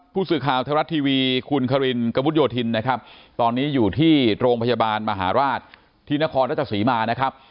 ผู้สื่อข่าวไทยรัฐทีวีคุณคารินกระมุดโยธินนะครับตอนนี้อยู่ที่โรงพยาบาลมหาราชที่นครราชสีมานะครับ